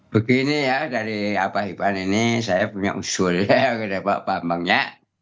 begini ya dari abah iban ini saya punya usulnya pak bambang ya